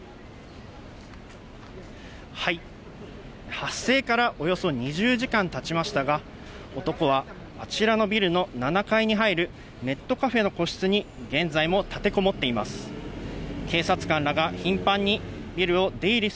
発生からおよそ２０時間経ちましたが、男はあちらのビルの７階に入るネットカフェの個室に現在も立てこもっています。